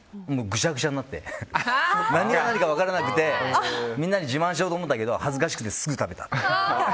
ぐしゃぐしゃになってて何が何になってるか分からなくてみんなに自慢しようとしたけど恥ずかしくてすぐ食べたって。